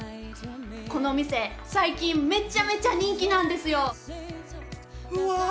この店最近めちゃめちゃ人気なんですよ！